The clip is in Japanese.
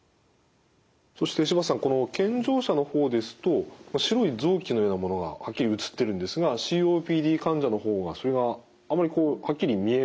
そして柴田さんこの健常者の方ですと白い臓器のようなものがはっきり写ってるんですがＣＯＰＤ患者の方はそれがあまりこうはっきり見えません。